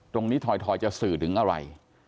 ตรงนี้ทอยจะสื่อถึงอะไร